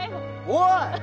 おい！